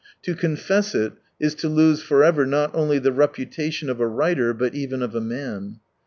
To confess it is to lose for ever not only the reputation of a writer, but even of a man.